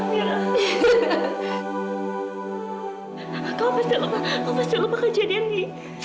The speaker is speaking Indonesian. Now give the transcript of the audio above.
jangan sampai terjadinya bohong pow didorong multifans